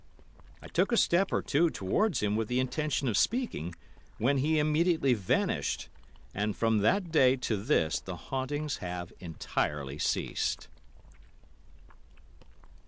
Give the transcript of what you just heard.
"I took a step or two towards him with the intention of speaking, when he immediately vanished, and from that day to this the hauntings have entirely ceased."